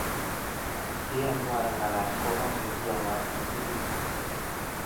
nde yanwo angalal ko amuchi amwa kiy tugul